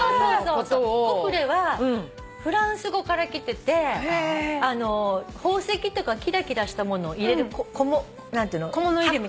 「コフレ」はフランス語からきてて宝石とかキラキラしたものを入れる箱のことをいうの。